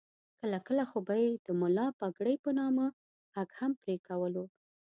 کله کله خو به یې د ملا پګړۍ په نامه غږ هم پرې کولو.